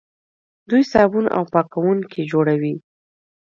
دوی صابون او پاکوونکي جوړوي.